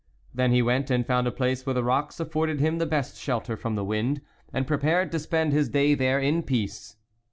Then he went and found a place where the rocks afforded him the best shelter from the wind, and prepared to spend his day there in peace.